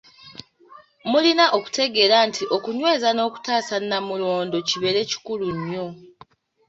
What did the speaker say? Mulina okutegeera nti okunyweza n'okutaasa Nnamulondo, kibeere kikulu nnyo.